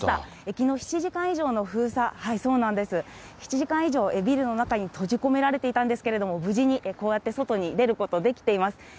きのう、７時間以上の封鎖、７時間以上ビルの中に閉じ込められていたんですけれども、無事にこうやって外に出ることできています。